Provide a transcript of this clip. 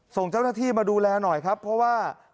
ส่งเจ้าหน้าที่มาดูแลหน่อยครับเพราะว่า